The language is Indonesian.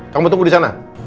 kamu tunggu di sana